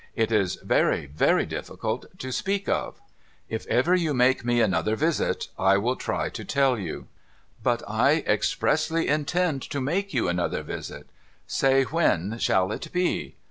It is very, very difficult to speak of. If ever you make me another visit, I will try to tell ycu.' ' But I expressly intend to make you another visit. Say, when shall it be?'